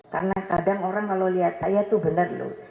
karena kadang orang kalau lihat saya itu benar loh